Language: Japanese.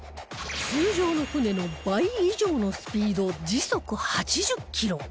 通常の船の倍以上のスピード時速８０キロ